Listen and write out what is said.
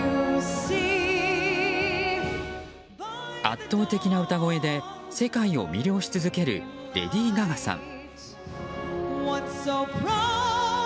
圧倒的な歌声で世界を魅了し続けるレディー・ガガさん。